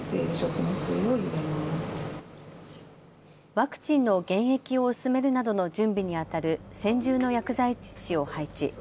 ワクチンの原液を薄めるなどの準備にあたる専従の薬剤師を配置。